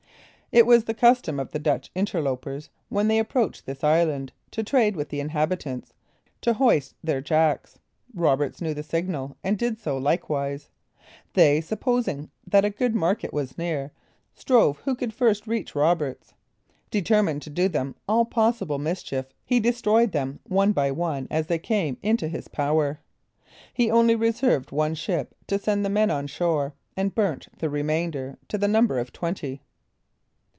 It was the custom of the Dutch interlopers, when they approached this island to trade with the inhabitants, to hoist their jacks. Roberts knew the signal, and did so likewise. They, supposing that a good market was near, strove who could first reach Roberts. Determined to do them all possible mischief he destroyed them one by one as they came into his power. He only reserved one ship to send the men on shore, and burnt the remainder, to the number of twenty.